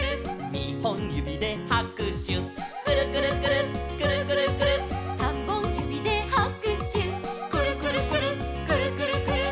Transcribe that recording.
「にほんゆびではくしゅ」「くるくるくるっくるくるくるっ」「さんぼんゆびではくしゅ」「くるくるくるっくるくるくるっ」